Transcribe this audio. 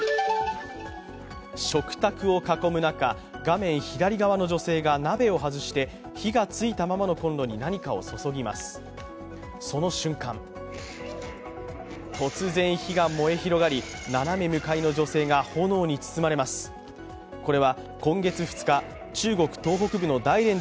食卓を囲む中、画面左側の女性が鍋を外して鍋を外した、火がついたままのコンロに何かを注ぎます。